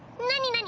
何？